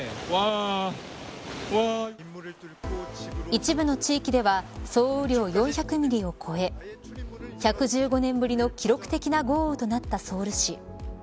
一部の地域では総雨量４００ミリを超え１１５年ぶりの記録的な豪雨となったソウル市。